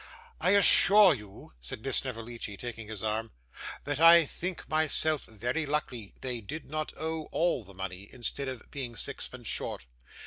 'I assure you,' said Miss Snevellicci, taking his arm, 'that I think myself very lucky they did not owe all the money instead of being sixpence short.